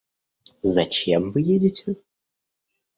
Зачем вы едете?